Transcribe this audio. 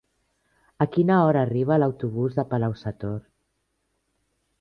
A quina hora arriba l'autobús de Palau-sator?